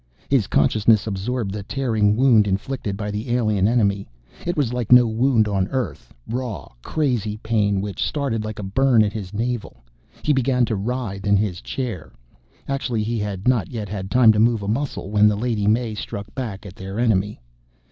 His consciousness absorbed the tearing wound inflicted by the alien enemy. It was like no wound on Earth raw, crazy pain which started like a burn at his navel. He began to writhe in his chair. Actually he had not yet had time to move a muscle when the Lady May struck back at their enemy.